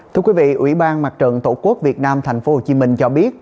thưa quý vị ủy ban mặt trận tổ quốc việt nam tp hcm cho biết